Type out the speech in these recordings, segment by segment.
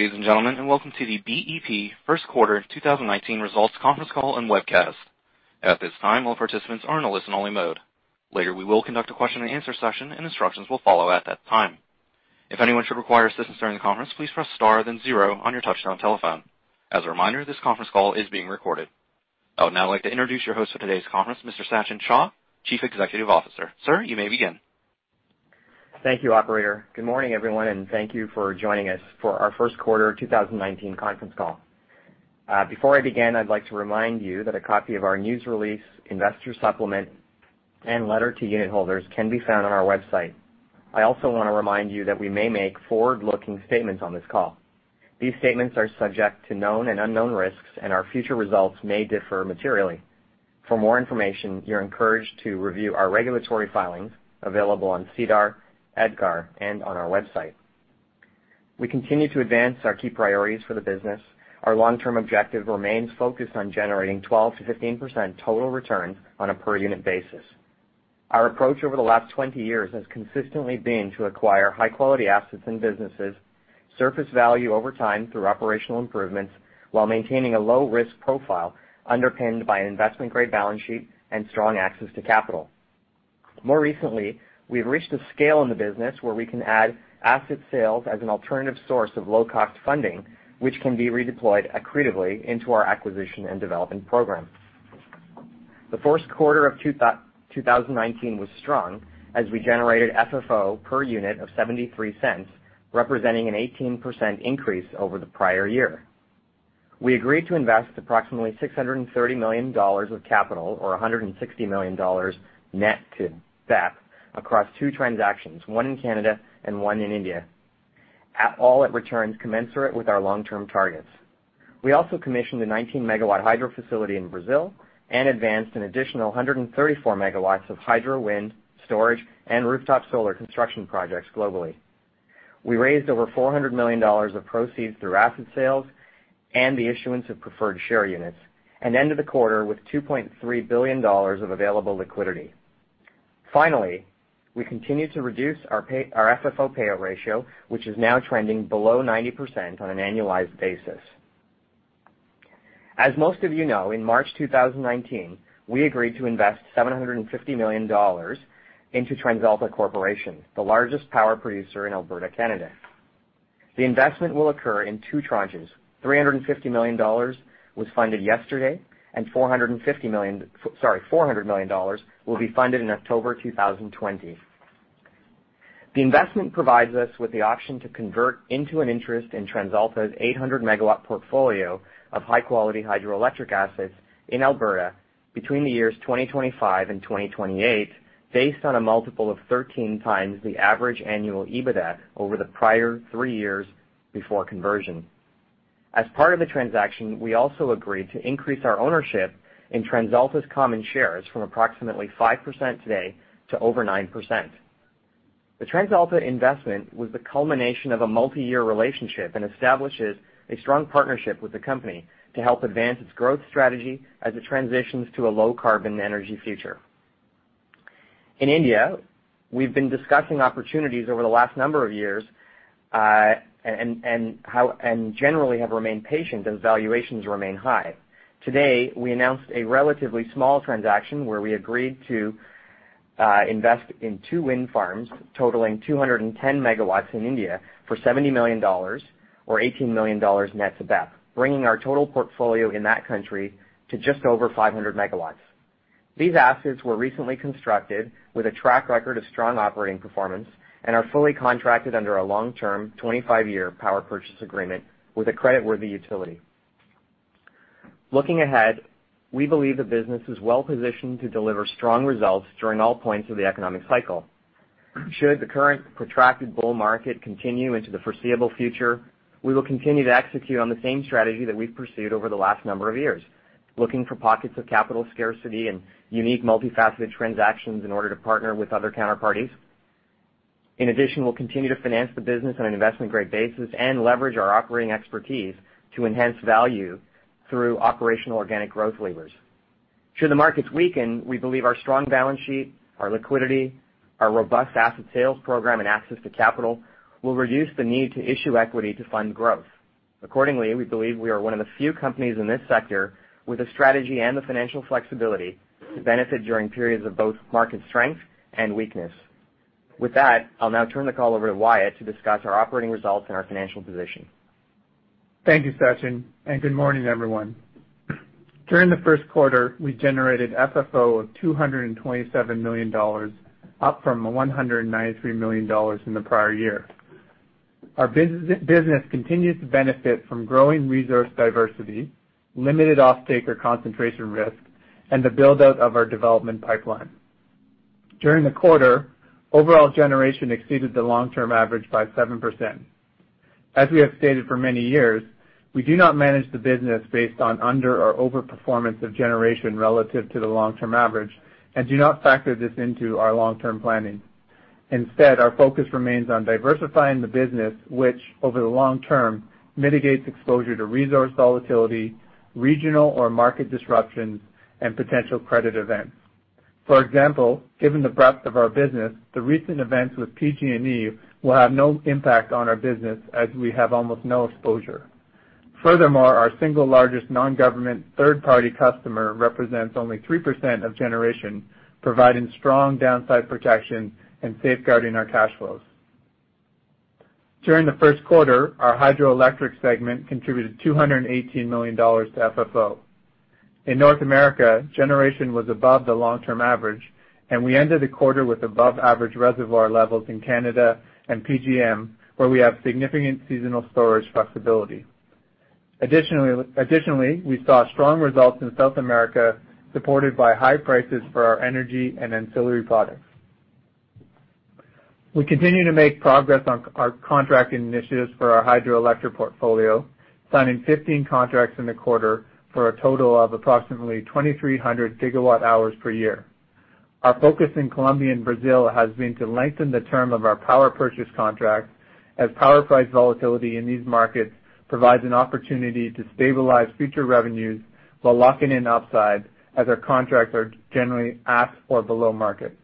Ladies and gentlemen, welcome to the BEP first quarter 2019 results conference call and webcast. At this time, all participants are in a listen-only mode. Later, we will conduct a question and answer session and instructions will follow at that time. If anyone should require assistance during the conference, please press star then zero on your touch-tone telephone. As a reminder, this conference call is being recorded. I would now like to introduce your host for today's conference, Mr. Sachin Shah, Chief Executive Officer. Sir, you may begin. Thank you, operator. Good morning, everyone, thank you for joining us for our first quarter 2019 conference call. Before I begin, I'd like to remind you that a copy of our news release, investor supplement, and letter to unitholders can be found on our website. I also want to remind you that we may make forward-looking statements on this call. These statements are subject to known and unknown risks, our future results may differ materially. For more information, you're encouraged to review our regulatory filings, available on SEDAR, EDGAR, and on our website. We continue to advance our key priorities for the business. Our long-term objective remains focused on generating 12%-15% total returns on a per-unit basis. Our approach over the last 20 years has consistently been to acquire high-quality assets and businesses, surface value over time through operational improvements, while maintaining a low-risk profile underpinned by an investment-grade balance sheet and strong access to capital. More recently, we've reached a scale in the business where we can add asset sales as an alternative source of low-cost funding, which can be redeployed accretively into our acquisition and development program. The first quarter of 2019 was strong, as we generated FFO per unit of $0.73, representing an 18% increase over the prior year. We agreed to invest approximately $630 million of capital, or $160 million net to BEP across two transactions, one in Canada and one in India, at returns commensurate with our long-term targets. We also commissioned a 19-megawatt hydro facility in Brazil and advanced an additional 134 megawatts of hydro, wind, storage, and rooftop solar construction projects globally. We raised over $400 million of proceeds through asset sales and the issuance of preferred share units, and ended the quarter with $2.3 billion of available liquidity. Finally, we continue to reduce our FFO payout ratio, which is now trending below 90% on an annualized basis. As most of you know, in March 2019, we agreed to invest $750 million into TransAlta Corporation, the largest power producer in Alberta, Canada. The investment will occur in two tranches. $350 million was funded yesterday and $400 million will be funded in October 2020. The investment provides us with the option to convert into an interest in TransAlta's 800-megawatt portfolio of high-quality hydroelectric assets in Alberta between the years 2025 and 2028, based on a multiple of 13 times the average annual EBITDA over the prior three years before conversion. As part of the transaction, we also agreed to increase our ownership in TransAlta's common shares from approximately 5% today to over 9%. The TransAlta investment was the culmination of a multi-year relationship and establishes a strong partnership with the company to help advance its growth strategy as it transitions to a low-carbon energy future. In India, we've been discussing opportunities over the last number of years, and generally have remained patient as valuations remain high. Today, we announced a relatively small transaction where we agreed to invest in two wind farms totaling 210 megawatts in India for $70 million, or $18 million net to BEP, bringing our total portfolio in that country to just over 500 megawatts. These assets were recently constructed with a track record of strong operating performance and are fully contracted under a long-term 25-year power purchase agreement with a creditworthy utility. Looking ahead, we believe the business is well-positioned to deliver strong results during all points of the economic cycle. Should the current protracted bull market continue into the foreseeable future, we will continue to execute on the same strategy that we've pursued over the last number of years, looking for pockets of capital scarcity and unique multifaceted transactions in order to partner with other counterparties. In addition, we'll continue to finance the business on an investment-grade basis and leverage our operating expertise to enhance value through operational organic growth levers. Should the markets weaken, we believe our strong balance sheet, our liquidity, our robust asset sales program, and access to capital will reduce the need to issue equity to fund growth. Accordingly, we believe we are one of the few companies in this sector with the strategy and the financial flexibility to benefit during periods of both market strength and weakness. With that, I'll now turn the call over to Wyatt to discuss our operating results and our financial position. Thank you, Sachin, and good morning, everyone. During the first quarter, we generated FFO of $227 million, up from $193 million in the prior year. Our business continues to benefit from growing resource diversity, limited off-taker concentration risk, and the build-out of our development pipeline. During the quarter, overall generation exceeded the long-term average by 7%. As we have stated for many years, we do not manage the business based on under or over-performance of generation relative to the long-term average and do not factor this into our long-term planning. Instead, our focus remains on diversifying the business, which, over the long term, mitigates exposure to resource volatility, regional or market disruptions, and potential credit events. For example, given the breadth of our business, the recent events with PG&E will have no impact on our business as we have almost no exposure. Our single largest non-government third-party customer represents only 3% of generation, providing strong downside protection and safeguarding our cash flows. During the first quarter, our hydroelectric segment contributed $218 million to FFO. In North America, generation was above the long-term average, and we ended the quarter with above-average reservoir levels in Canada and PJM, where we have significant seasonal storage flexibility. Additionally, we saw strong results in South America, supported by high prices for our energy and ancillary products. We continue to make progress on our contracting initiatives for our hydroelectric portfolio, signing 15 contracts in the quarter for a total of approximately 2,300 gigawatt hours per year. Our focus in Colombia and Brazil has been to lengthen the term of our power purchase contract, as power price volatility in these markets provides an opportunity to stabilize future revenues while locking in upside, as our contracts are generally at or below market.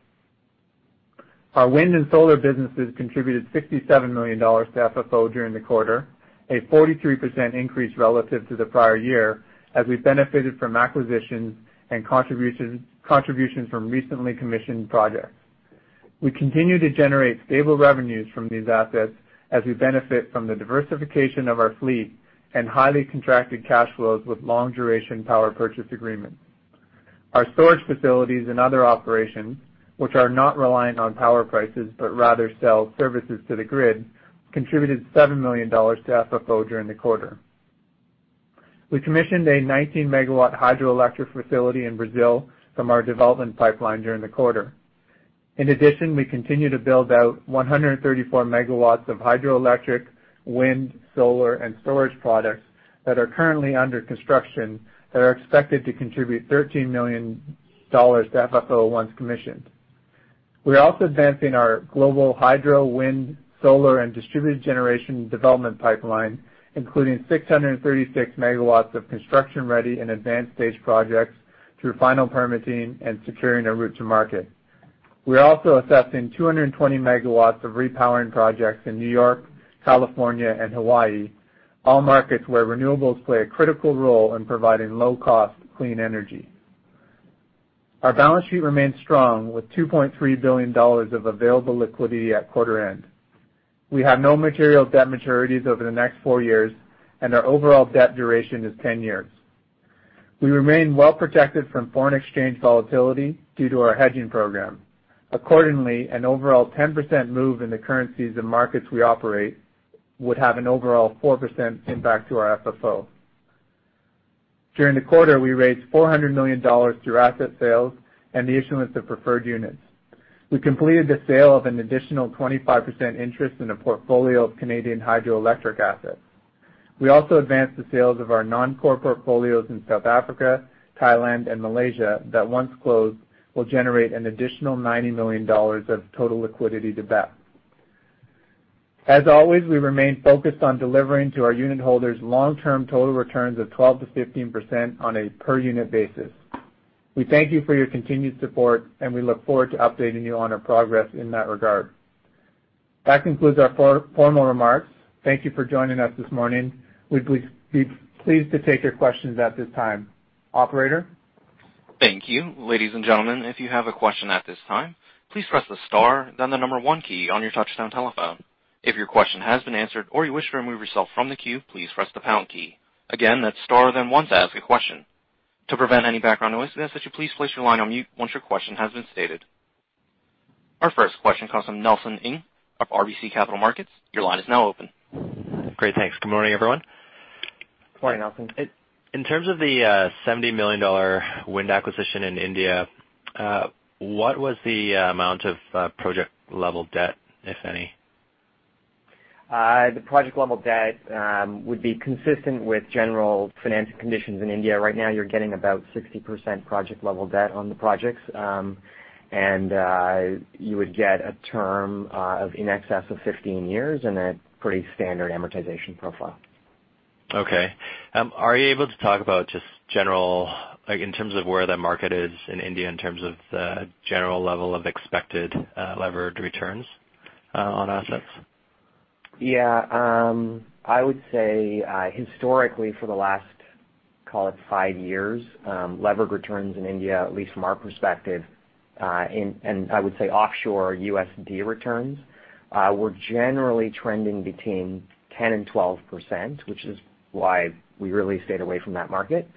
Our wind and solar businesses contributed $67 million to FFO during the quarter, a 43% increase relative to the prior year, as we benefited from acquisitions and contributions from recently commissioned projects. We continue to generate stable revenues from these assets as we benefit from the diversification of our fleet and highly contracted cash flows with long-duration power purchase agreements. Our storage facilities and other operations, which are not reliant on power prices, but rather sell services to the grid, contributed $7 million to FFO during the quarter. We commissioned a 19-megawatt hydroelectric facility in Brazil from our development pipeline during the quarter. We continue to build out 134 megawatts of hydroelectric, wind, solar, and storage products that are currently under construction that are expected to contribute $13 million to FFO once commissioned. We are also advancing our global hydro, wind, solar, and distributed generation development pipeline, including 636 megawatts of construction-ready and advanced-stage projects through final permitting and securing a route to market. We are also assessing 220 megawatts of repowering projects in New York, California, and Hawaii, all markets where renewables play a critical role in providing low-cost, clean energy. Our balance sheet remains strong with $2.3 billion of available liquidity at quarter end. We have no material debt maturities over the next four years, and our overall debt duration is 10 years. We remain well-protected from foreign exchange volatility due to our hedging program. An overall 10% move in the currencies of markets we operate would have an overall 4% impact to our FFO. During the quarter, we raised $400 million through asset sales and the issuance of preferred units. We completed the sale of an additional 25% interest in a portfolio of Canadian hydroelectric assets. We also advanced the sales of our non-core portfolios in South Africa, Thailand, and Malaysia that, once closed, will generate an additional $90 million of total liquidity to BEP. We remain focused on delivering to our unit holders long-term total returns of 12%-15% on a per-unit basis. We thank you for your continued support, and we look forward to updating you on our progress in that regard. That concludes our formal remarks. Thank you for joining us this morning. We'd be pleased to take your questions at this time. Operator? Thank you. Ladies and gentlemen, if you have a question at this time, please press the star then the number one key on your touchtone telephone. If your question has been answered or you wish to remove yourself from the queue, please press the pound key. Again, that's star then one to ask a question. To prevent any background noise, we ask that you please place your line on mute once your question has been stated. Our first question comes from Nelson Ng of RBC Capital Markets. Your line is now open. Great. Thanks. Good morning, everyone. Morning, Nelson. In terms of the $70 million wind acquisition in India, what was the amount of project-level debt, if any? The project-level debt would be consistent with general financial conditions in India. Right now, you're getting about 60% project-level debt on the projects. You would get a term of in excess of 15 years and a pretty standard amortization profile. Okay. Are you able to talk about, just general, in terms of where the market is in India in terms of the general level of expected leveraged returns on assets? Yeah. I would say, historically, for the last, call it, five years, leveraged returns in India, at least from our perspective, and I would say offshore USD returns, were generally trending between 10% and 12%, which is why we really stayed away from that market,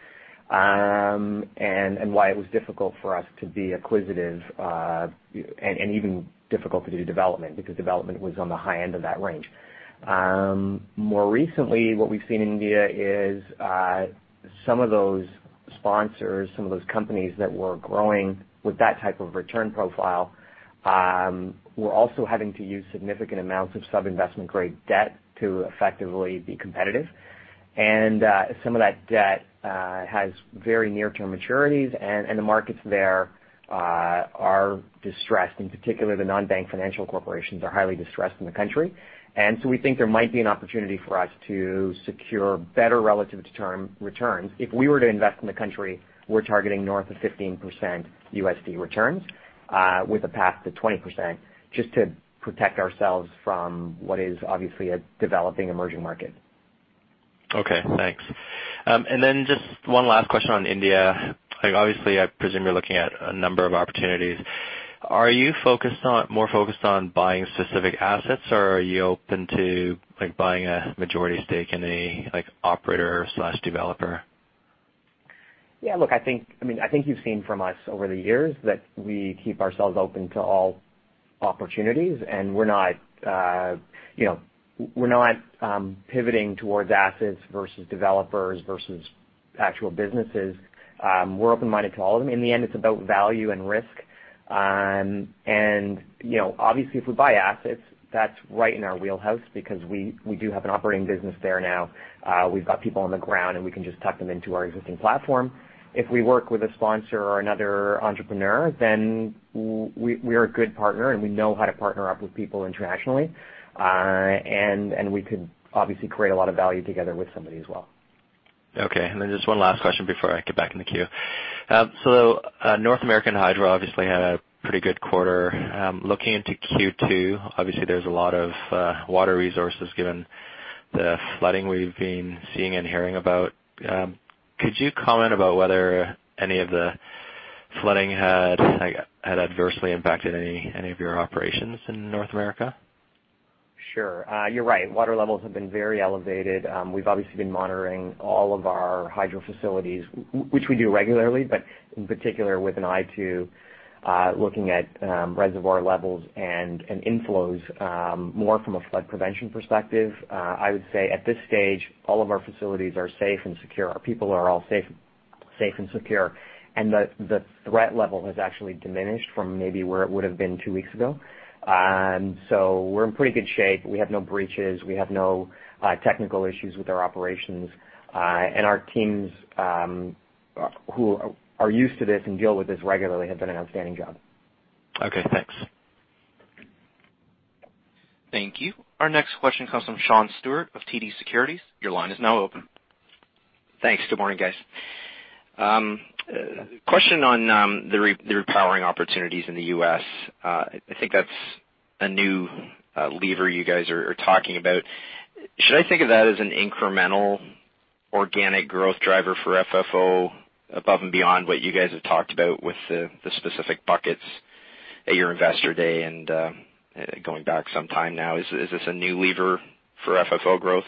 and why it was difficult for us to be acquisitive, and even difficult to do development, because development was on the high end of that range. More recently, what we've seen in India is some of those sponsors, some of those companies that were growing with that type of return profile, were also having to use significant amounts of sub-investment-grade debt to effectively be competitive. Some of that debt has very near-term maturities, and the markets there are distressed. In particular, the non-bank financial corporations are highly distressed in the country. We think there might be an opportunity for us to secure better relative returns. If we were to invest in the country, we're targeting north of 15% USD returns, with a path to 20%, just to protect ourselves from what is obviously a developing emerging market. Okay, thanks. Just one last question on India. Obviously, I presume you're looking at a number of opportunities. Are you more focused on buying specific assets, or are you open to buying a majority stake in an operator/developer? I think you've seen from us over the years that we keep ourselves open to all opportunities, we're not pivoting towards assets versus developers versus actual businesses. We're open-minded to all of them. In the end, it's about value and risk. Obviously, if we buy assets, that's right in our wheelhouse because we do have an operating business there now. We've got people on the ground, we can just tuck them into our existing platform. If we work with a sponsor or another entrepreneur, we're a good partner, we know how to partner up with people internationally. We could obviously create a lot of value together with somebody as well. Okay. Just one last question before I get back in the queue. North American Hydro obviously had a pretty good quarter. Looking into Q2, obviously there's a lot of water resources given the flooding we've been seeing and hearing about. Could you comment about whether any of the flooding had adversely impacted any of your operations in North America? Sure. You're right. Water levels have been very elevated. We've obviously been monitoring all of our hydro facilities, which we do regularly, but in particular with an eye to looking at reservoir levels and inflows more from a flood prevention perspective. I would say, at this stage, all of our facilities are safe and secure. Our people are all safe and secure, the threat level has actually diminished from maybe where it would have been two weeks ago. We're in pretty good shape. We have no breaches. We have no technical issues with our operations. Our teams, who are used to this and deal with this regularly, have done an outstanding job. Okay, thanks. Thank you. Our next question comes from Sean Stewart of TD Securities. Your line is now open. Thanks. Good morning, guys. Question on the repowering opportunities in the U.S. I think that's a new lever you guys are talking about. Should I think of that as an incremental organic growth driver for FFO above and beyond what you guys have talked about with the specific buckets at your Investor Day and going back some time now? Is this a new lever for FFO growth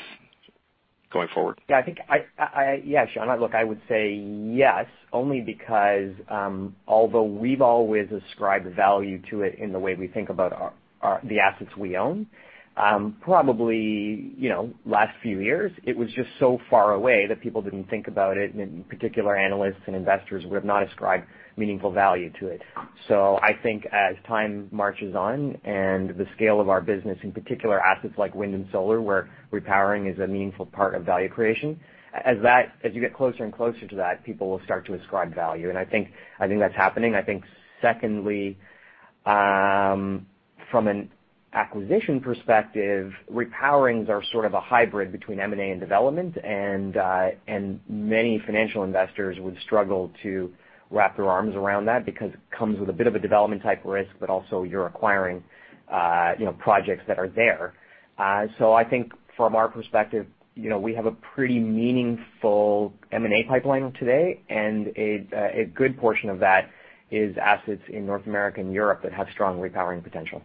going forward? Yeah, Sean, look, I would say yes, only because, although we've always ascribed value to it in the way we think about the assets we own, probably last few years, it was just so far away that people didn't think about it, and in particular, analysts and investors would have not ascribed meaningful value to it. I think as time marches on and the scale of our business, in particular assets like wind and solar, where repowering is a meaningful part of value creation. As you get closer and closer to that, people will start to ascribe value, and I think that's happening. I think secondly, from an acquisition perspective, repowerings are sort of a hybrid between M&A and development, and many financial investors would struggle to wrap their arms around that because it comes with a bit of a development-type risk, but also you're acquiring projects that are there. I think from our perspective, we have a pretty meaningful M&A pipeline today, and a good portion of that is assets in North America and Europe that have strong repowering potential.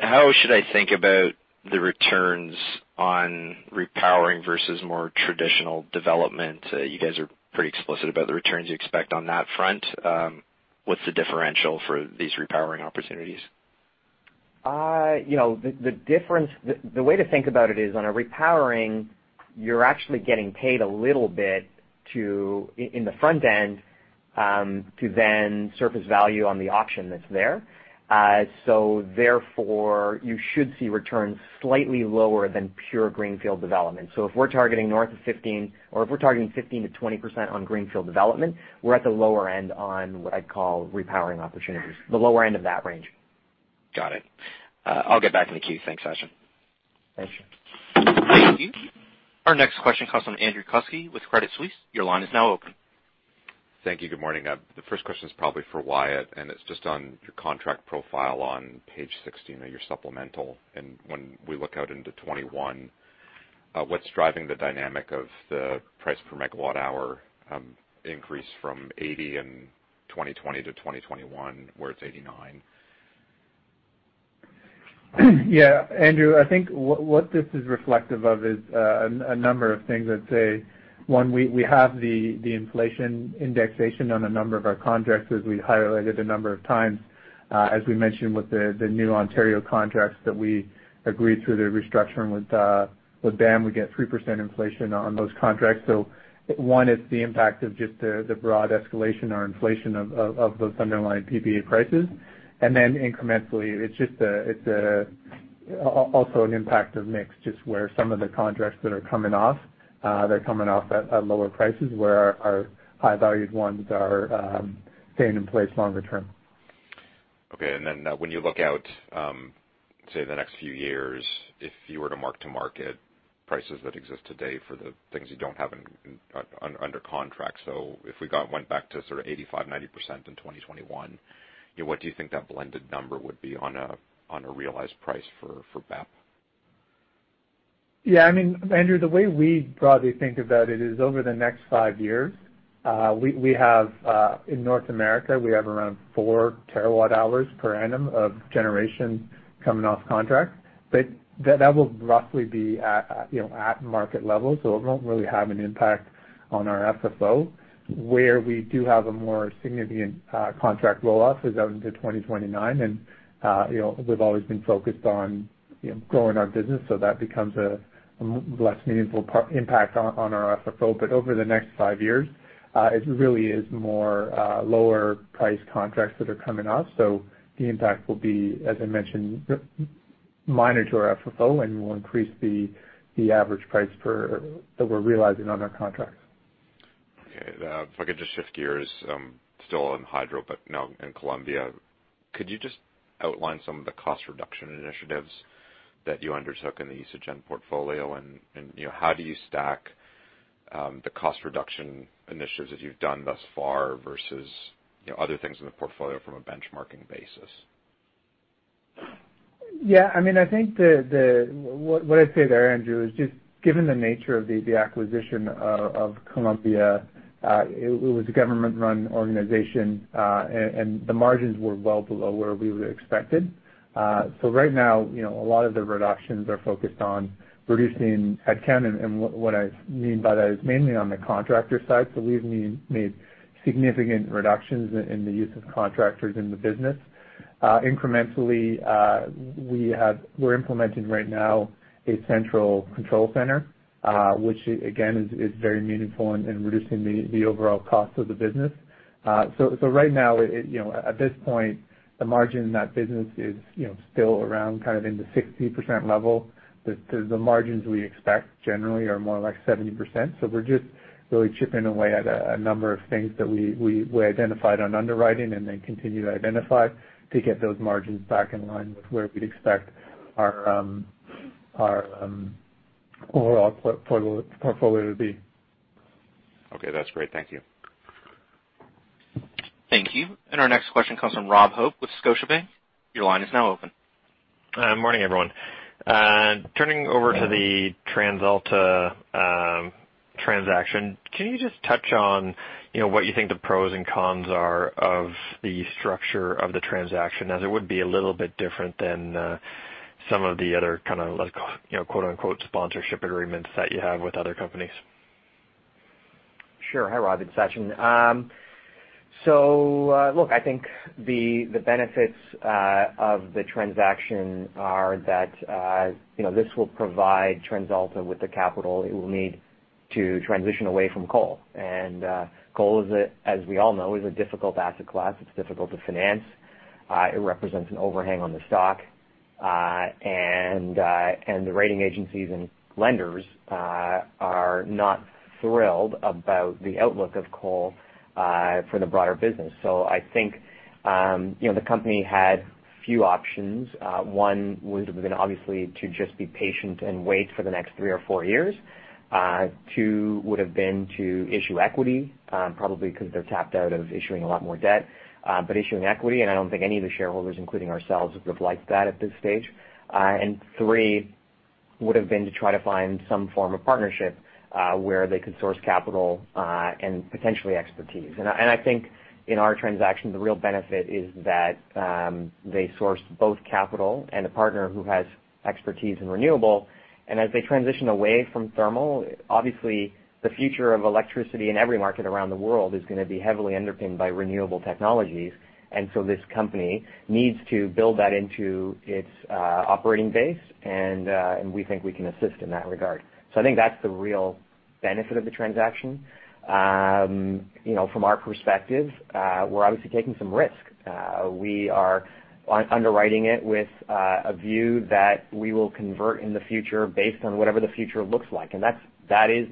How should I think about the returns on repowering versus more traditional development? You guys are pretty explicit about the returns you expect on that front. What's the differential for these repowering opportunities? The way to think about it is, on a repowering, you're actually getting paid a little bit in the front end, to then surface value on the option that's there. Therefore, you should see returns slightly lower than pure greenfield development. If we're targeting north of 15, or if we're targeting 15%-20% on greenfield development, we're at the lower end on what I'd call repowering opportunities. The lower end of that range. Got it. I'll get back in the queue. Thanks, Sasha. Thanks. Thank you. Our next question comes from Andrew Kuske with Credit Suisse. Your line is now open. Thank you. Good morning. The first question is probably for Wyatt, and it is just on your contract profile on page 16 of your supplemental. When we look out into 2021, what is driving the dynamic of the price per megawatt hour increase from $80 in 2020 to 2021, where it is $89? Yeah, Andrew, I think what this is reflective of is a number of things. I would say, one, we have the inflation indexation on a number of our contracts, as we highlighted a number of times. As we mentioned with the new Ontario contracts that we agreed through the restructuring with BAM, we get 3% inflation on those contracts. One is the impact of just the broad escalation or inflation of those underlying PPA prices. Incrementally, it is just. Also an impact of mix, just where some of the contracts that are coming off, they are coming off at lower prices, where our high-valued ones are staying in place longer term. Okay. Then when you look out, say, the next few years, if you were to mark-to-market prices that exist today for the things you don't have under contract. If we went back to sort of 85%-90% in 2021, what do you think that blended number would be on a realized price for BEP? Yeah. Andrew, the way we broadly think of that, it is over the next five years. In North America, we have around four terawatt hours per annum of generation coming off contract. That will roughly be at market level. It won't really have an impact on our FFO. Where we do have a more significant contract roll-off is out into 2029. We've always been focused on growing our business, that becomes a less meaningful impact on our FFO. Over the next five years, it really is more lower priced contracts that are coming off. The impact will be, as I mentioned, minor to our FFO, and will increase the average price that we're realizing on our contracts. Okay. If I could just shift gears, still on hydro, but now in Colombia. Could you just outline some of the cost reduction initiatives that you undertook in the Isagen portfolio? How do you stack the cost reduction initiatives that you've done thus far versus other things in the portfolio from a benchmarking basis? Yeah. What I'd say there, Andrew, is just given the nature of the acquisition of Colombia, it was a government-run organization. The margins were well below where we would expected. Right now, a lot of the reductions are focused on reducing headcount. What I mean by that is mainly on the contractor side. We've made significant reductions in the use of contractors in the business. Incrementally, we're implementing right now a central control center, which again, is very meaningful in reducing the overall cost of the business. Right now, at this point, the margin in that business is still around kind of in the 60% level. The margins we expect generally are more like 70%. We're just really chipping away at a number of things that we identified on underwriting and then continue to identify to get those margins back in line with where we'd expect our overall portfolio to be. That's great. Thank you. Thank you. Our next question comes from Robert Hope with Scotiabank. Your line is now open. Morning, everyone. Turning over to the TransAlta transaction, can you just touch on what you think the pros and cons are of the structure of the transaction, as it would be a little bit different than some of the other kind of quote, unquote, "sponsorship agreements" that you have with other companies? Sure. Hi, Rob. It's Sachin. Look, I think the benefits of the transaction are that this will provide TransAlta with the capital it will need to transition away from coal. Coal, as we all know, is a difficult asset class. It's difficult to finance. It represents an overhang on the stock. The rating agencies and lenders are not thrilled about the outlook of coal for the broader business. I think the company had few options. One would have been obviously to just be patient and wait for the next three or four years. Two would have been to issue equity, probably because they're tapped out of issuing a lot more debt. Issuing equity, and I don't think any of the shareholders, including ourselves, would have liked that at this stage. Three would have been to try to find some form of partnership where they could source capital and potentially expertise. I think in our transaction, the real benefit is that they sourced both capital and a partner who has expertise in renewable. As they transition away from thermal, obviously the future of electricity in every market around the world is going to be heavily underpinned by renewable technologies. This company needs to build that into its operating base. We think we can assist in that regard. I think that's the real benefit of the transaction. From our perspective, we're obviously taking some risk. We are underwriting it with a view that we will convert in the future based on whatever the future looks like. There's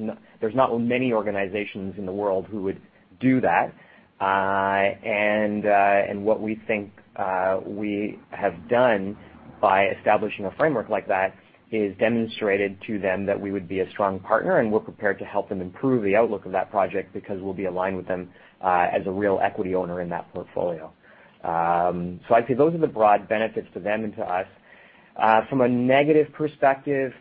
not many organizations in the world who would do that. What we think we have done by establishing a framework like that is demonstrated to them that we would be a strong partner, and we're prepared to help them improve the outlook of that project because we'll be aligned with them as a real equity owner in that portfolio. I'd say those are the broad benefits to them and to us. From a negative perspective,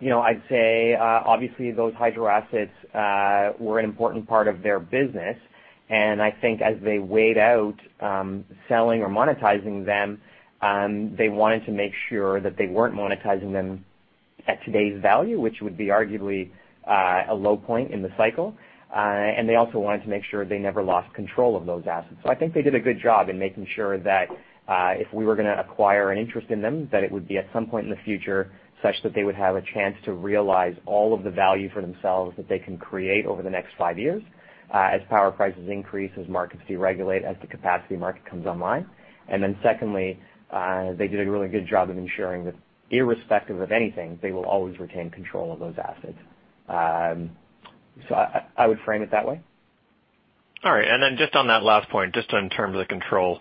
I'd say obviously those hydro assets were an important part of their business. I think as they weighed out selling or monetizing them, they wanted to make sure that they weren't monetizing them at today's value, which would be arguably a low point in the cycle. They also wanted to make sure they never lost control of those assets. I think they did a good job in making sure that if we were going to acquire an interest in them, that it would be at some point in the future such that they would have a chance to realize all of the value for themselves that they can create over the next five years as power prices increase, as markets deregulate, as the capacity market comes online. Secondly, they did a really good job of ensuring that irrespective of anything, they will always retain control of those assets. I would frame it that way. All right. Then just on that last point, just in terms of control.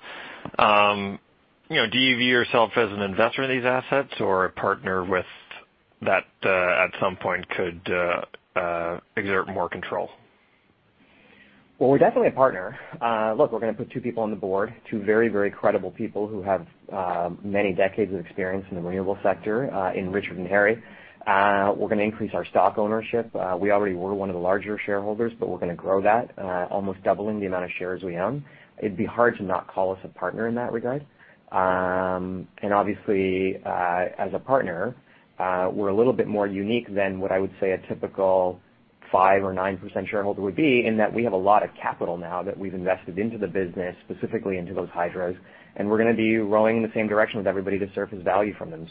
Do you view yourself as an investor in these assets or a partner with that at some point could exert more control? Well, we're definitely a partner. Look, we're going to put two people on the board, two very, very credible people who have many decades of experience in the renewable sector, in Richard and Harry. We're going to increase our stock ownership. We already were one of the larger shareholders, but we're going to grow that, almost doubling the amount of shares we own. It'd be hard to not call us a partner in that regard. Obviously, as a partner, we're a little bit more unique than what I would say a typical 5% or 9% shareholder would be, in that we have a lot of capital now that we've invested into the business, specifically into those hydros, and we're going to be rowing in the same direction with everybody to surface value from them.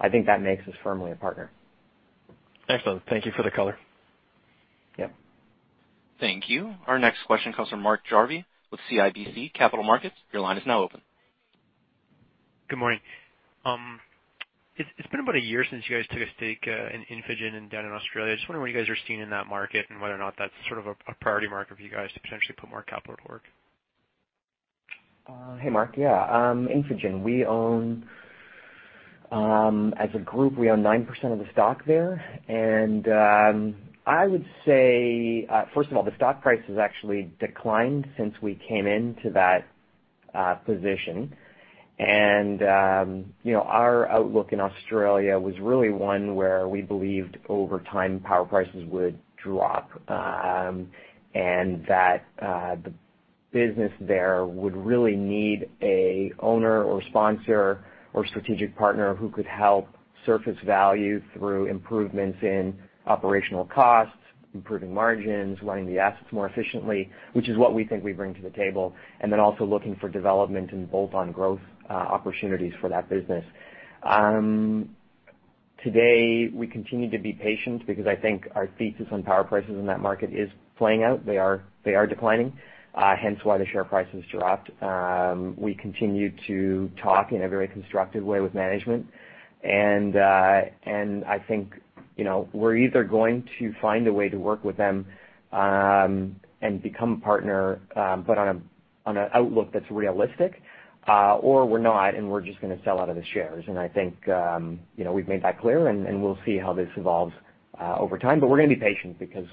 I think that makes us firmly a partner. Excellent. Thank you for the color. Yep. Thank you. Our next question comes from Mark Jarvi with CIBC Capital Markets. Your line is now open. Good morning. It's been about a year since you guys took a stake in Infigen down in Australia. Just wondering what you guys are seeing in that market and whether or not that's sort of a priority market for you guys to potentially put more capital to work. Hey, Mark. Yeah. Infigen, as a group, we own 9% of the stock there. I would say, first of all, the stock price has actually declined since we came into that position. Our outlook in Australia was really one where we believed over time, power prices would drop, and that the business there would really need an owner or sponsor or strategic partner who could help surface value through improvements in operational costs, improving margins, running the assets more efficiently, which is what we think we bring to the table. Then also looking for development and bolt-on growth opportunities for that business. Today, we continue to be patient because I think our thesis on power prices in that market is playing out. They are declining, hence why the share price has dropped. We continue to talk in a very constructive way with management, and I think we're either going to find a way to work with them, and become partner, but on an outlook that's realistic, or we're not, and we're just going to sell out of the shares. I think we've made that clear, and we'll see how this evolves over time. We're going to be patient because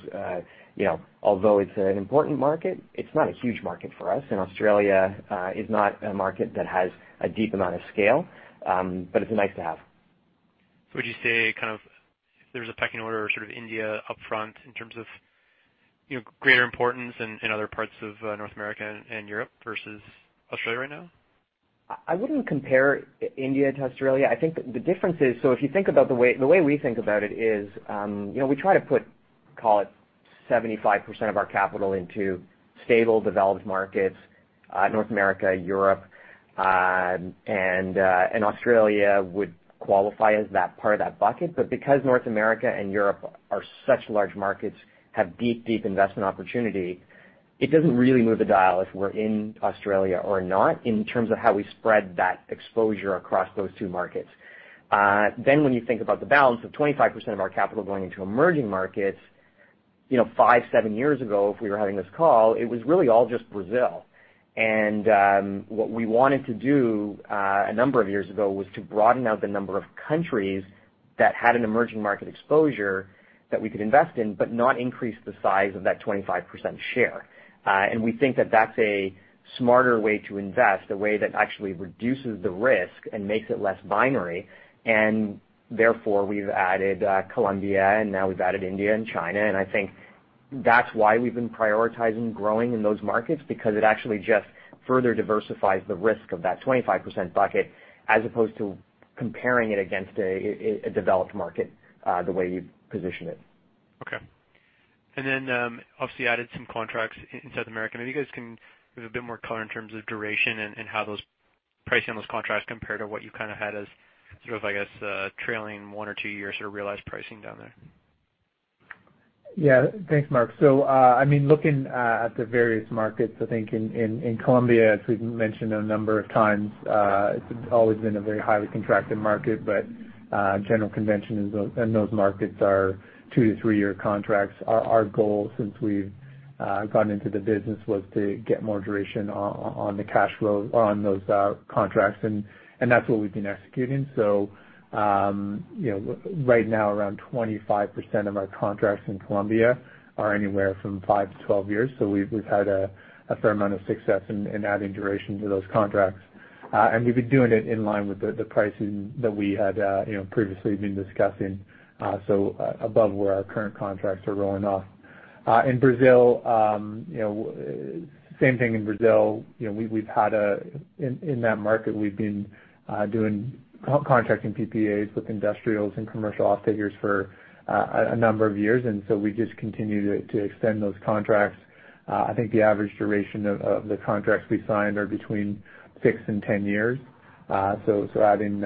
although it's an important market, it's not a huge market for us. Australia is not a market that has a deep amount of scale. It's nice to have. Would you say kind of there's a pecking order, sort of India upfront in terms of greater importance in other parts of North America and Europe versus Australia right now? I wouldn't compare India to Australia. I think the difference is, the way we think about it is, we try to put, call it 75% of our capital into stable, developed markets, North America, Europe, and Australia would qualify as that part of that bucket. Because North America and Europe are such large markets, have deep investment opportunity, it doesn't really move the dial if we're in Australia or not, in terms of how we spread that exposure across those two markets. When you think about the balance of 25% of our capital going into emerging markets, five, seven years ago, if we were having this call, it was really all just Brazil. What we wanted to do, a number of years ago, was to broaden out the number of countries that had an emerging market exposure that we could invest in, but not increase the size of that 25% share. We think that that's a smarter way to invest, a way that actually reduces the risk and makes it less binary. Therefore, we've added Colombia, and now we've added India and China. I think that's why we've been prioritizing growing in those markets, because it actually just further diversifies the risk of that 25% bucket, as opposed to comparing it against a developed market, the way you position it. Okay. Obviously added some contracts in South America. Maybe you guys can give a bit more color in terms of duration and how those pricing on those contracts compare to what you kind of had as sort of, I guess, trailing one or two years sort of realized pricing down there. Thanks, Mark. Looking at the various markets, I think in Colombia, as we've mentioned a number of times, it's always been a very highly contracted market. General convention in those markets are 2-3-year contracts. Our goal, since we've gone into the business, was to get more duration on those contracts, and that's what we've been executing. Right now around 25% of our contracts in Colombia are anywhere from 5-12 years. We've had a fair amount of success in adding duration to those contracts. We've been doing it in line with the pricing that we had previously been discussing. Above where our current contracts are rolling off. In Brazil, same thing in Brazil. In that market, we've been doing contracting PPAs with industrials and commercial off-takers for a number of years. We just continue to extend those contracts. I think the average duration of the contracts we signed are between 6 and 10 years. Adding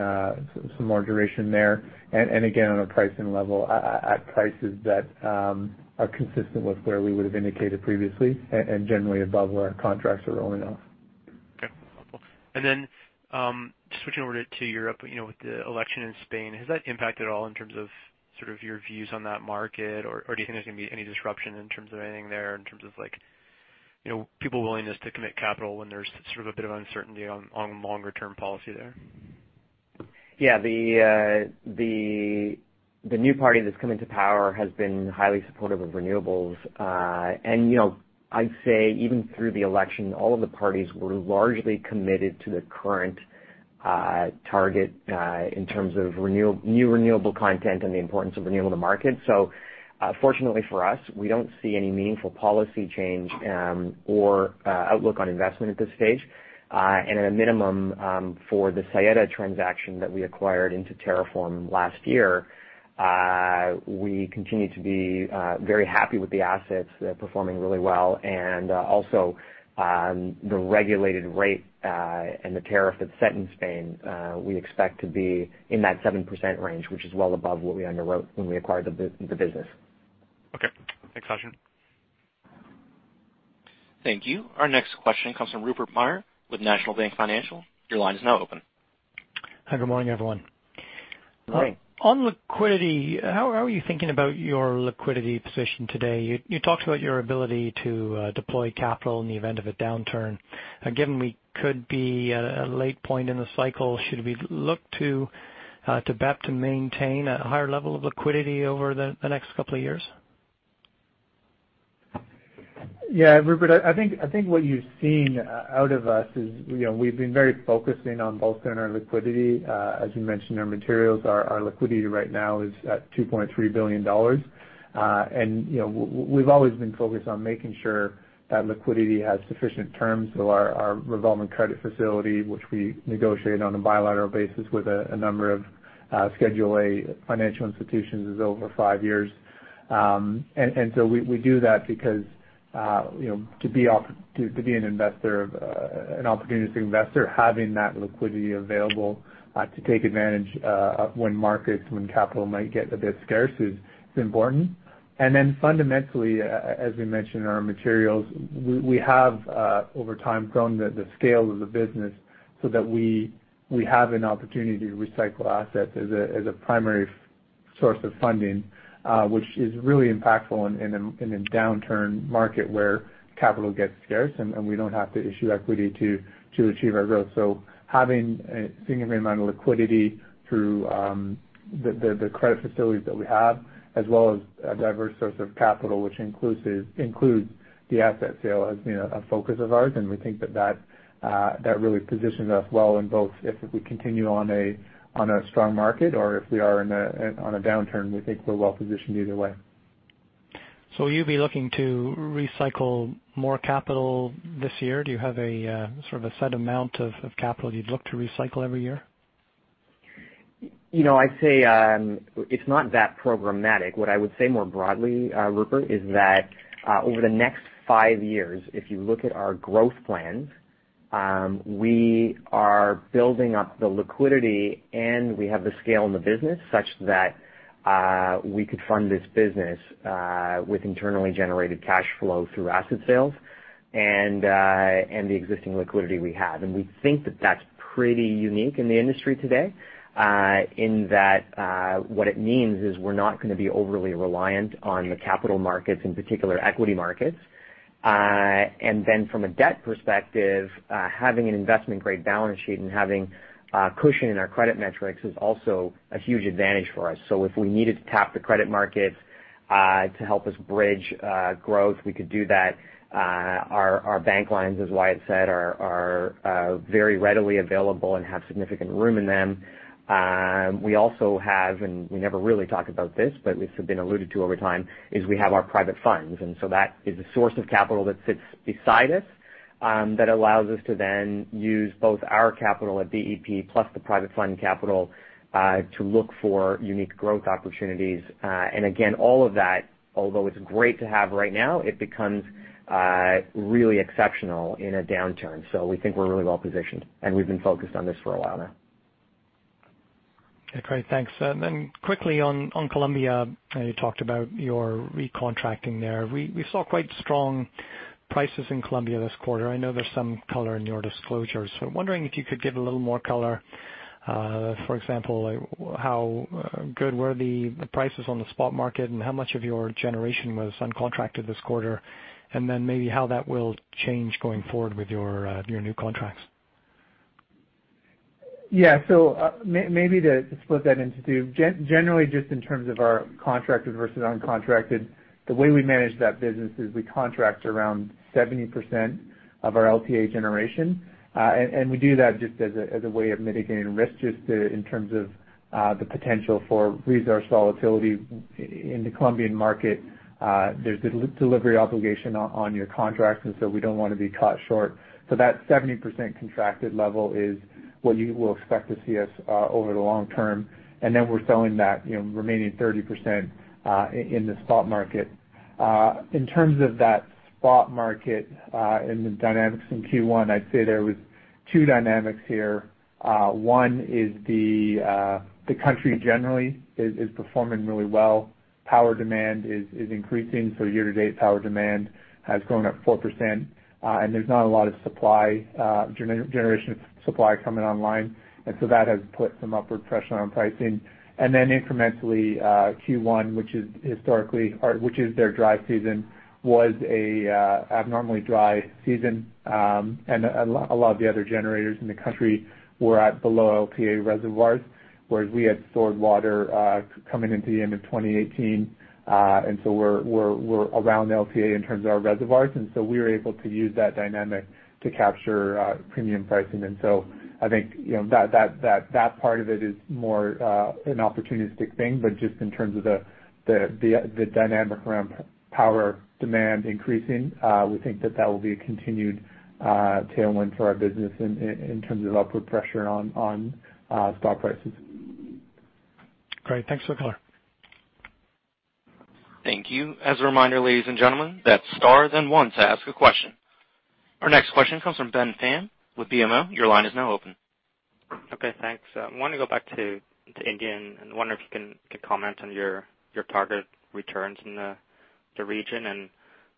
some more duration there. Again, on a pricing level, at prices that are consistent with where we would've indicated previously, and generally above where our contracts are rolling off. Then, switching over to Europe with the election in Spain, has that impacted at all in terms of your views on that market? Do you think there's going to be any disruption in terms of anything there, in terms of people's willingness to commit capital when there's a bit of uncertainty on longer-term policy there? The new party that's come into power has been highly supportive of renewables. I'd say, even through the election, all of the parties were largely committed to the current target in terms of new renewable content and the importance of renewable to market. Fortunately for us, we don't see any meaningful policy change or outlook on investment at this stage. At a minimum, for the Saeta transaction that we acquired into TerraForm last year, we continue to be very happy with the assets. They're performing really well. Also, the regulated rate and the tariff that's set in Spain, we expect to be in that 7% range, which is well above what we underwrote when we acquired the business. Okay. Thanks, Sachin. Thank you. Our next question comes from Rupert Merer with National Bank Financial. Your line is now open. Hi, good morning, everyone. Good morning. On liquidity, how are you thinking about your liquidity position today? You talked about your ability to deploy capital in the event of a downturn. Given we could be at a late point in the cycle, should we look to BEP to maintain a higher level of liquidity over the next couple of years? Yeah, Rupert, I think what you've seen out of us is we've been very focused in on bolstering our liquidity. As you mentioned in our materials, our liquidity right now is at $2.3 billion. We've always been focused on making sure that liquidity has sufficient terms. Our revolving credit facility, which we negotiated on a bilateral basis with a number of Schedule A financial institutions, is over five years. We do that because to be an opportunistic investor, having that liquidity available to take advantage of when markets, when capital might get a bit scarce, is important. Fundamentally, as we mentioned in our materials, we have, over time, grown the scale of the business so that we have an opportunity to recycle assets as a primary source of funding, which is really impactful in a downturn market where capital gets scarce, and we don't have to issue equity to achieve our growth. Having a significant amount of liquidity through the credit facilities that we have, as well as a diverse source of capital, which includes the asset sale, has been a focus of ours, and we think that really positions us well in both if we continue on a strong market or if we are on a downturn. We think we're well-positioned either way. Will you be looking to recycle more capital this year? Do you have a set amount of capital you'd look to recycle every year? I'd say it's not that programmatic. What I would say more broadly, Rupert, is that over the next 5 years, if you look at our growth plans, we are building up the liquidity, and we have the scale in the business such that we could fund this business with internally generated cash flow through asset sales and the existing liquidity we have. We think that that's pretty unique in the industry today, in that what it means is we're not going to be overly reliant on the capital markets, in particular equity markets. From a debt perspective, having an investment-grade balance sheet and having a cushion in our credit metrics is also a huge advantage for us. If we needed to tap the credit markets to help us bridge growth, we could do that. Our bank lines, as Wyatt said, are very readily available and have significant room in them. We also have, and we never really talk about this, but it's been alluded to over time, is we have our private funds. That is a source of capital that sits beside us that allows us to then use both our capital at BEP plus the private fund capital to look for unique growth opportunities. Again, all of that, although it's great to have right now, it becomes really exceptional in a downturn. We think we're really well-positioned, and we've been focused on this for a while now. Okay, thanks. Then quickly on Colombia. You talked about your recontracting there. We saw quite strong prices in Colombia this quarter. I know there's some color in your disclosures. I'm wondering if you could give a little more color. For example, how good were the prices on the spot market, and how much of your generation was uncontracted this quarter? Then maybe how that will change going forward with your new contracts. Yeah. Maybe to split that into two. Generally, just in terms of our contracted versus uncontracted, the way we manage that business is we contract around 70% of our LTA generation. We do that just as a way of mitigating risk, just in terms of the potential for resource volatility in the Colombian market. There's a delivery obligation on your contracts, we don't want to be caught short. That 70% contracted level is what you will expect to see us over the long term. Then we're selling that remaining 30% in the spot market. In terms of that spot market, and the dynamics in Q1, I'd say there was two dynamics here. One is the country generally is performing really well. Power demand is increasing. Year-to-date, power demand has gone up 4%, there's not a lot of generation supply coming online. That has put some upward pressure on pricing. Incrementally, Q1, which is their dry season, was an abnormally dry season. A lot of the other generators in the country were at below LPA reservoirs, whereas we had stored water coming into the end of 2018. We're around the LPA in terms of our reservoirs, and so we were able to use that dynamic to capture premium pricing. I think that part of it is more an opportunistic thing. Just in terms of the dynamic around power demand increasing, we think that that will be a continued tailwind for our business in terms of upward pressure on spot prices. Great. Thanks for the color. Thank you. As a reminder, ladies and gentlemen, that's star then one to ask a question. Our next question comes from Ben Pham with BMO. Your line is now open. Okay, thanks. I want to go back to India, and wonder if you can comment on your target returns in the region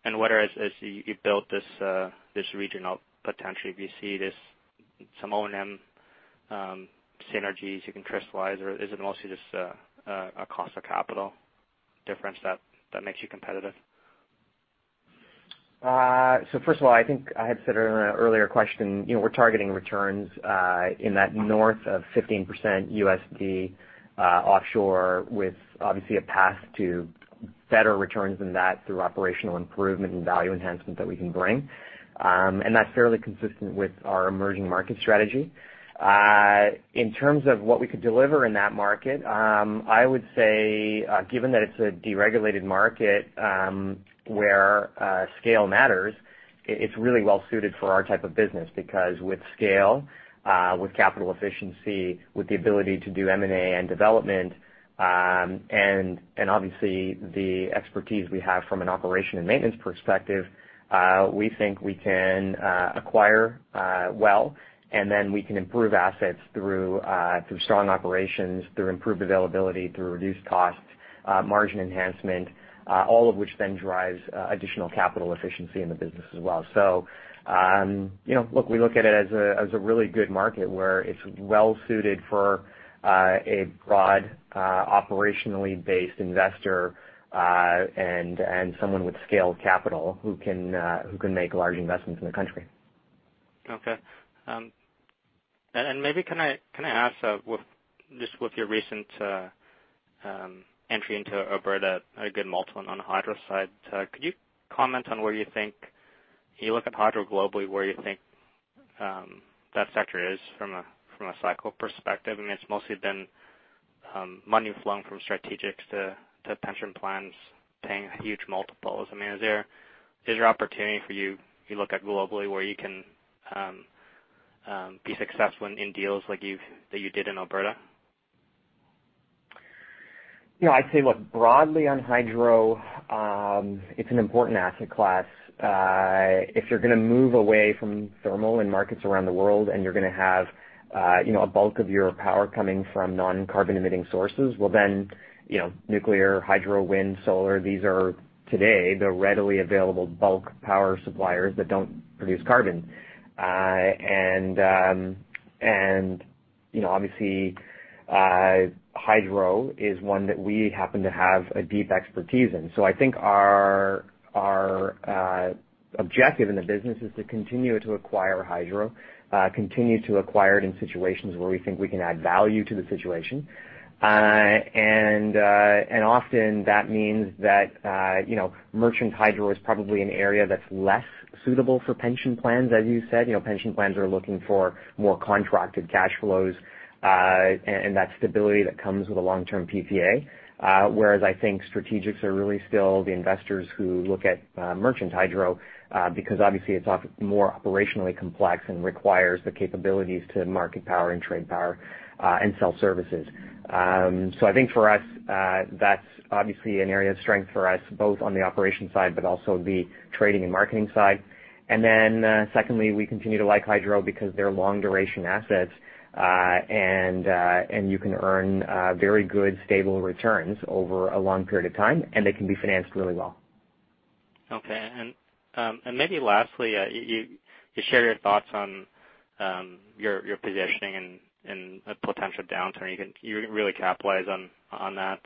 and whether as you built this region up, potentially if you see some O&M synergies you can crystallize, or is it mostly just a cost of capital difference that makes you competitive? First of all, I think I had said earlier in an earlier question, we're targeting returns in that north of 15% USD offshore, with obviously a path to better returns than that through operational improvement and value enhancement that we can bring. That's fairly consistent with our emerging market strategy. In terms of what we could deliver in that market, I would say, given that it's a deregulated market, where scale matters, it's really well suited for our type of business because with scale, with capital efficiency, with the ability to do M&A and development, and obviously the expertise we have from an operation and maintenance perspective, we think we can acquire well, and then we can improve assets through strong operations, through improved availability, through reduced costs, margin enhancement, all of which then drives additional capital efficiency in the business as well. We look at it as a really good market, where it's well-suited for a broad, operationally based investor, and someone with scale capital who can make large investments in the country. Okay. Maybe can I ask, just with your recent entry into Alberta, a good multiple on the hydro side, could you comment on where you think you look at hydro globally, where you think that sector is from a cycle perspective? It's mostly been money flowing from strategics to pension plans paying huge multiples. Is there opportunity for you look at globally where you can be successful in deals like that you did in Alberta? Yeah, I'd say, look, broadly on hydro, it's an important asset class. If you're going to move away from thermal in markets around the world, and you're going to have a bulk of your power coming from non-carbon emitting sources, well then, nuclear, hydro, wind, solar, these are today the readily available bulk power suppliers that don't produce carbon. Obviously, hydro is one that we happen to have a deep expertise in. I think our objective in the business is to continue to acquire hydro, continue to acquire it in situations where we think we can add value to the situation. Often that means that merchant hydro is probably an area that's less suitable for pension plans, as you said. Pension plans are looking for more contracted cash flows, and that stability that comes with a long-term PPA. I think strategics are really still the investors who look at merchant hydro, because obviously it's more operationally complex and requires the capabilities to market power and trade power, and sell services. I think for us, that's obviously an area of strength for us, both on the operation side, but also the trading and marketing side. Secondly, we continue to like hydro because they're long duration assets, and you can earn very good, stable returns over a long period of time, and they can be financed really well. Okay. Maybe lastly, you share your thoughts on your positioning and a potential downturn. You can really capitalize on that.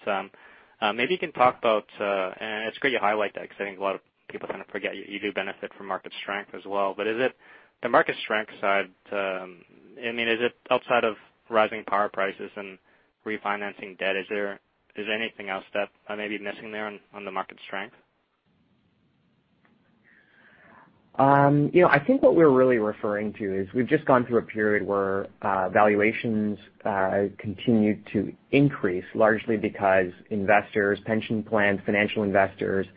It's great you highlight that, because I think a lot of people kind of forget you do benefit from market strength as well. The market strength side, is it outside of rising power prices and refinancing debt? Is there anything else that may be missing there on the market strength? I think what we're really referring to is we've just gone through a period where valuations continued to increase, largely because investors, pension plans, financial investors,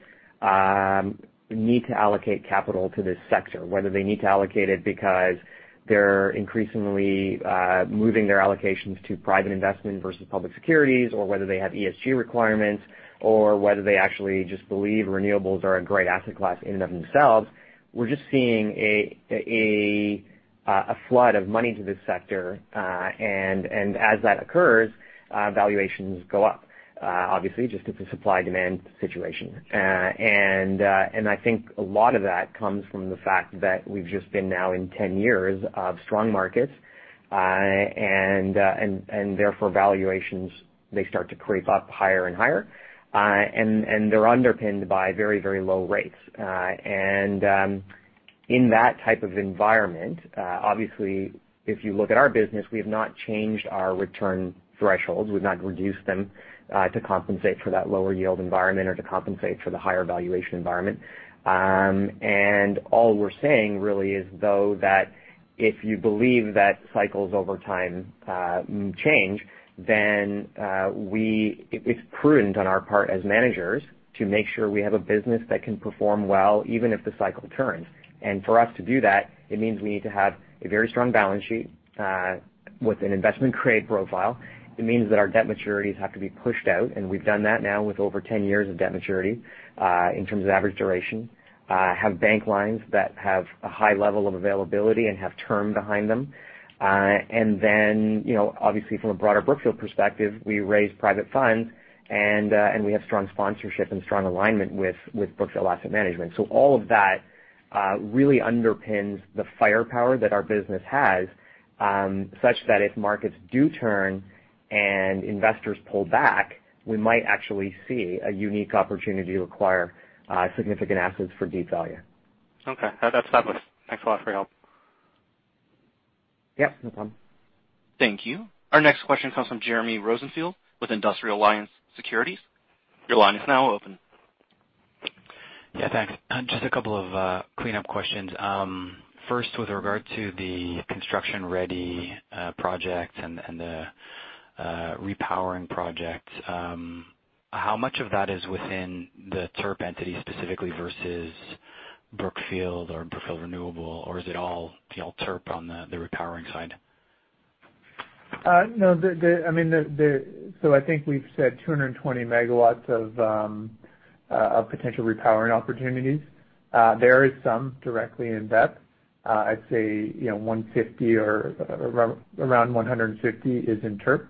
need to allocate capital to this sector, whether they need to allocate it because they're increasingly moving their allocations to private investment versus public securities, or whether they have ESG requirements, or whether they actually just believe renewables are a great asset class in and of themselves. We're just seeing a flood of money to this sector. As that occurs, valuations go up. Obviously, just it's a supply/demand situation. I think a lot of that comes from the fact that we've just been now in 10 years of strong markets, and therefore, valuations, they start to creep up higher and higher. They're underpinned by very low rates. In that type of environment, obviously, if you look at our business, we have not changed our return thresholds. We've not reduced them to compensate for that lower yield environment or to compensate for the higher valuation environment. All we're saying really is, though, that if you believe that cycles over time change, then it's prudent on our part as managers to make sure we have a business that can perform well, even if the cycle turns. For us to do that, it means we need to have a very strong balance sheet, with an investment-grade profile. It means that our debt maturities have to be pushed out, and we've done that now with over 10 years of debt maturity, in terms of average duration. It means that we have bank lines that have a high level of availability and have term behind them. Obviously from a broader Brookfield perspective, we raise private funds, and we have strong sponsorship and strong alignment with Brookfield Asset Management. All of that really underpins the firepower that our business has, such that if markets do turn and investors pull back, we might actually see a unique opportunity to acquire significant assets for deep value. That's fabulous. Thanks a lot for your help. Yep. No problem. Thank you. Our next question comes from Jeremy Rosenfield with Industrial Alliance Securities. Your line is now open. Yeah, thanks. Just a couple of cleanup questions. First, with regard to the construction-ready project and the repowering project. How much of that is within the TERP entity specifically versus Brookfield or Brookfield Renewable? Is it all TERP on the repowering side? No. I think we've said 220 megawatts of potential repowering opportunities. There is some directly in BEP. I'd say 150 or around 150 is in TERP.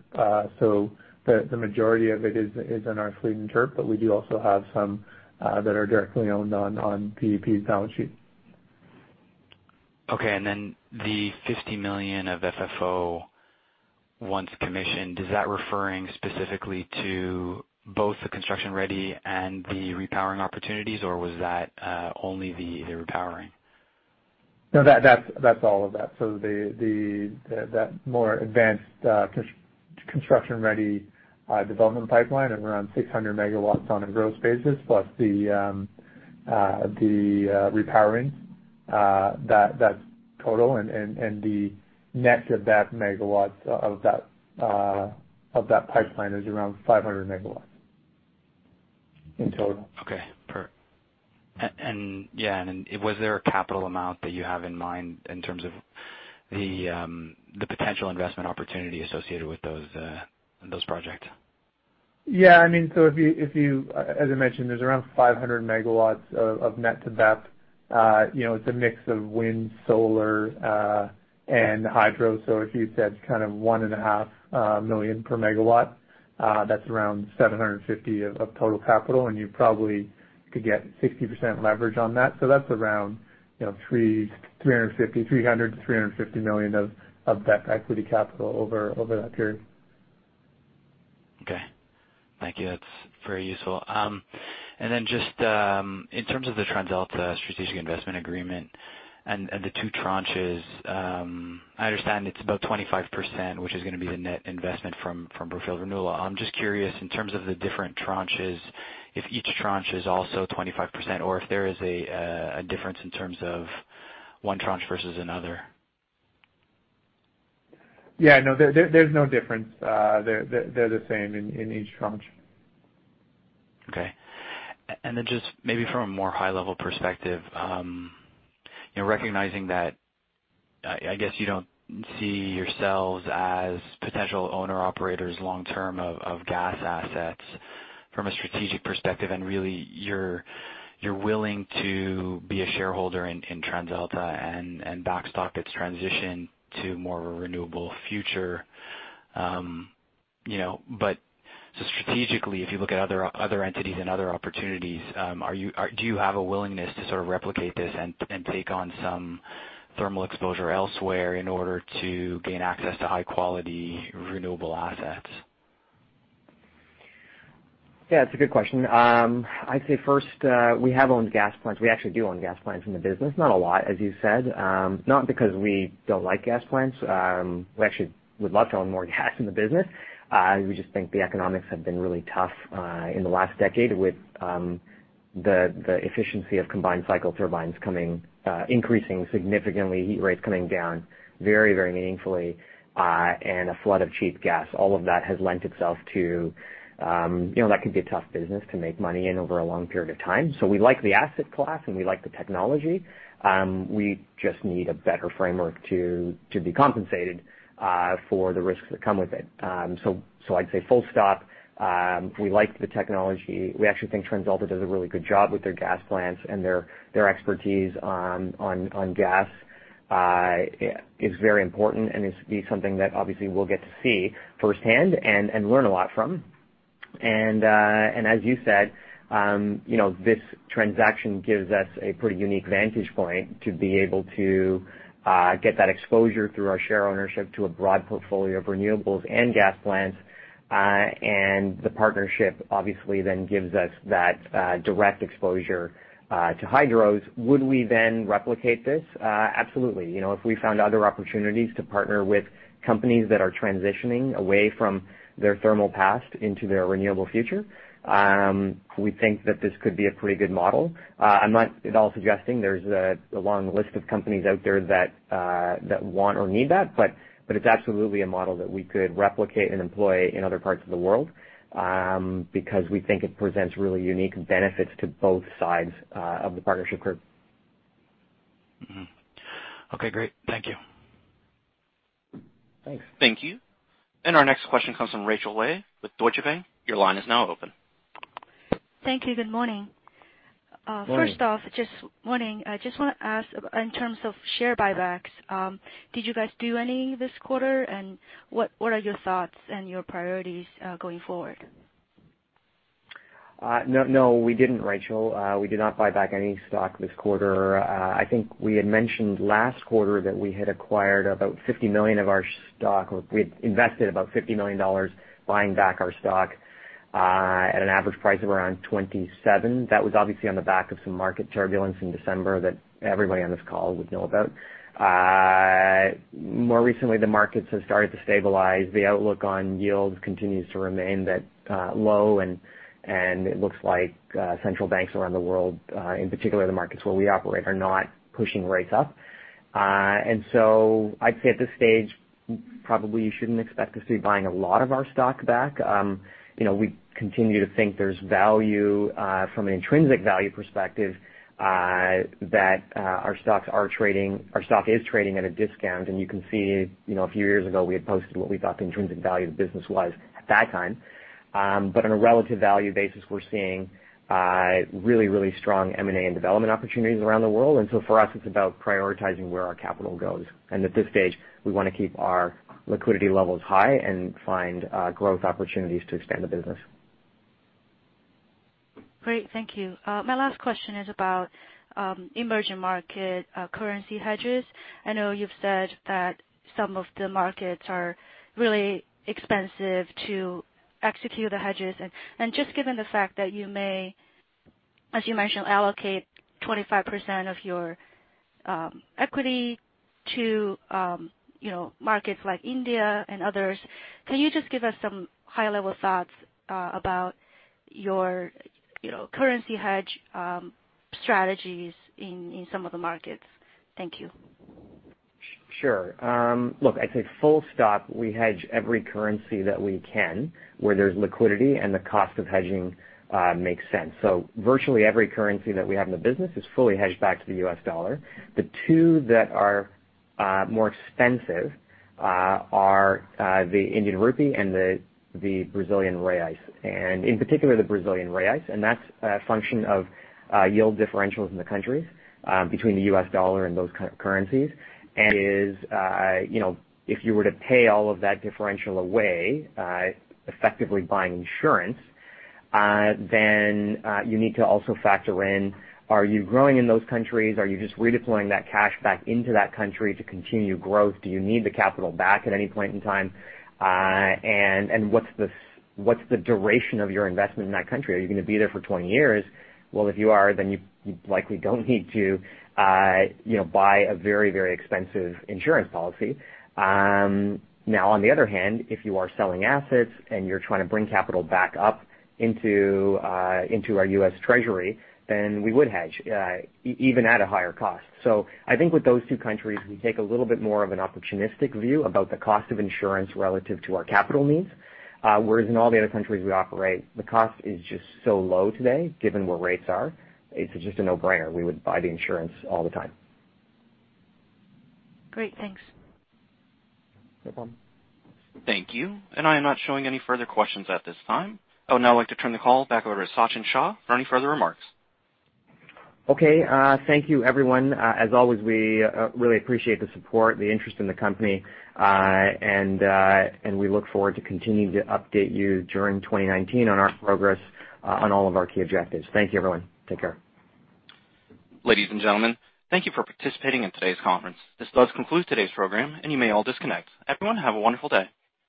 The majority of it is in our fleet in TERP, but we do also have some that are directly owned on BEP's balance sheet. Okay. The $50 million of FFO once commissioned, is that referring specifically to both the construction-ready and the repowering opportunities, or was that only the repowering? No, that's all of that. That more advanced construction-ready development pipeline at around 600 megawatts on a gross basis, plus the repowering. That's total. The net of that megawatts of that pipeline is around 500 megawatts in total. Okay. Was there a capital amount that you have in mind in terms of the potential investment opportunity associated with those projects? Yeah. As I mentioned, there's around 500 megawatts of net to BEP. It's a mix of wind, solar, and hydro. If you said kind of one and a half million per megawatt, that's around $750 of total capital, and you probably could get 60% leverage on that. That's around $300-$350 million of that equity capital over that period. Okay. Thank you. That's very useful. Then just in terms of the TransAlta strategic investment agreement and the two tranches, I understand it's about 25%, which is going to be the net investment from Brookfield Renewable. I'm just curious, in terms of the different tranches, if each tranche is also 25%, or if there is a difference in terms of one tranche versus another. Yeah, no, there's no difference. They're the same in each tranche. Then just maybe from a more high-level perspective, recognizing that, I guess you don't see yourselves as potential owner-operators long-term of gas assets from a strategic perspective, and really, you're willing to be a shareholder in TransAlta and backstop its transition to more of a renewable future. Strategically, if you look at other entities and other opportunities, do you have a willingness to sort of replicate this and take on some thermal exposure elsewhere in order to gain access to high-quality, renewable assets? Yeah, it's a good question. I'd say first, we have owned gas plants. We actually do own gas plants in the business. Not a lot, as you said. Not because we don't like gas plants. We actually would love to own more gas in the business. We just think the economics have been really tough in the last decade. The efficiency of combined cycle turbines increasing significantly, heat rates coming down very, very meaningfully, and a flood of cheap gas. All of that has lent itself to That can be a tough business to make money in over a long period of time. We like the asset class, and we like the technology. We just need a better framework to be compensated for the risks that come with it. I'd say full stop, we like the technology. We actually think TransAlta does a really good job with their gas plants, and their expertise on gas is very important, and it's something that obviously we'll get to see firsthand and learn a lot from. As you said, this transaction gives us a pretty unique vantage point to be able to get that exposure through our share ownership to a broad portfolio of renewables and gas plants. The partnership obviously then gives us that direct exposure to hydros. Would we then replicate this? Absolutely. If we found other opportunities to partner with companies that are transitioning away from their thermal past into their renewable future, we think that this could be a pretty good model. I'm not at all suggesting there's a long list of companies out there that want or need that, but it's absolutely a model that we could replicate and employ in other parts of the world, because we think it presents really unique benefits to both sides of the partnership group. Okay, great. Thank you. Thanks. Thank you. Our next question comes from Rachel Wei with Deutsche Bank. Your line is now open. Thank you. Good morning. Morning. First off, good morning. I just want to ask in terms of share buybacks, did you guys do any this quarter? What are your thoughts and your priorities going forward? No, we didn't, Rachel. We did not buy back any stock this quarter. I think we had mentioned last quarter that we had acquired about $50 million of our stock, or we had invested about $50 million buying back our stock at an average price of around $27. That was obviously on the back of some market turbulence in December that everybody on this call would know about. More recently, the markets have started to stabilize. The outlook on yields continues to remain that low, and it looks like central banks around the world, in particular the markets where we operate, are not pushing rates up. I'd say at this stage, probably you shouldn't expect us to be buying a lot of our stock back. We continue to think there's value from an intrinsic value perspective that our stock is trading at a discount, and you can see a few years ago, we had posted what we thought the intrinsic value of the business was at that time. But on a relative value basis, we're seeing really, really strong M&A and development opportunities around the world. For us, it's about prioritizing where our capital goes. At this stage, we want to keep our liquidity levels high and find growth opportunities to expand the business. Great. Thank you. My last question is about emerging market currency hedges. I know you've said that some of the markets are really expensive to execute the hedges. Just given the fact that you may, as you mentioned, allocate 25% of your equity to markets like India and others, can you just give us some high-level thoughts about your currency hedge strategies in some of the markets? Thank you. Sure. Look, I'd say full stop, we hedge every currency that we can where there's liquidity and the cost of hedging makes sense. Virtually every currency that we have in the business is fully hedged back to the U.S. dollar. The two that are more expensive are the Indian rupee and the Brazilian reais. In particular, the Brazilian reais, and that's a function of yield differentials in the countries between the U.S. dollar and those currencies. If you were to pay all of that differential away, effectively buying insurance, then you need to also factor in, are you growing in those countries? Are you just redeploying that cash back into that country to continue growth? Do you need the capital back at any point in time? And what's the duration of your investment in that country? Are you going to be there for 20 years? Well, if you are, you likely don't need to buy a very, very expensive insurance policy. On the other hand, if you are selling assets and you're trying to bring capital back up into our U.S. Treasury, we would hedge, even at a higher cost. I think with those two countries, we take a little bit more of an opportunistic view about the cost of insurance relative to our capital needs. Whereas in all the other countries we operate, the cost is just so low today, given where rates are, it's just a no-brainer. We would buy the insurance all the time. Great, thanks. No problem. Thank you. I am not showing any further questions at this time. I would now like to turn the call back over to Sachin Shah for any further remarks. Okay. Thank you, everyone. As always, we really appreciate the support, the interest in the company, and we look forward to continuing to update you during 2019 on our progress on all of our key objectives. Thank you, everyone. Take care. Ladies and gentlemen, thank you for participating in today's conference. This does conclude today's program, and you may all disconnect. Everyone, have a wonderful day.